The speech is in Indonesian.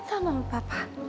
tentang mama papa